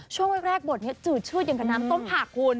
ช่วงแรกบทนี้จืดชืดอย่างกับน้ำต้มผักคุณ